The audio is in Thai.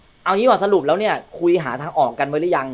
เอาอย่างนี้มาสรุปแล้วเนี่ยคุยหาทางออกกันไหมหรือยัง